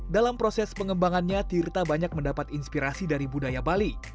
dalam proses pengembangannya tirta banyak mendapat inspirasi dari budaya bali